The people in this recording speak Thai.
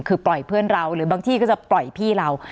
คือปล่อยเพื่อนเราหรือบางที่ก็จะปล่อยพี่เรา